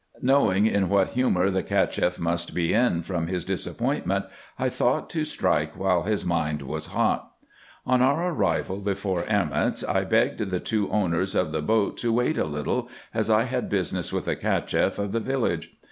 Knowing in what humour the Cacheff must be in from his disappointment, I thought to strike while his mind was hot. On our arrival before Erments I begged the two owners of the boat to wait a little, as I had business with the Cacheff of the village.